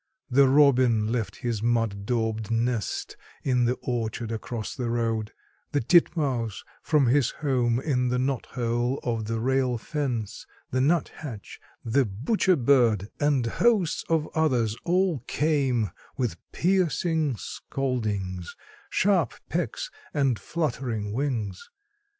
The robin left his mud daubed nest in the orchard across the road, the titmouse from his home in the knot hole of the rail fence, the nuthatch, the butcher bird and hosts of others all came, with piercing scoldings, sharp pecks and fluttering wings.